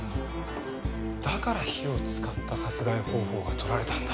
だから火を使った殺害方法が取られたんだ。